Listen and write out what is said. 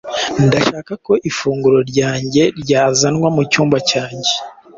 Ndashaka ko ifunguro ryanjye ryazanwa mucyumba cyanjye.